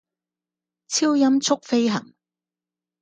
超音速飛行